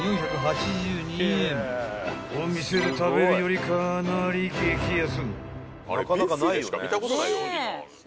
［お店で食べるよりかなり激安］